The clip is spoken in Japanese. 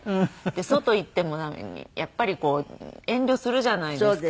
で外行ってもやっぱりこう遠慮するじゃないですか。